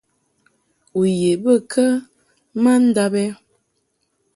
U ye bə kə ma ndab ɛ ?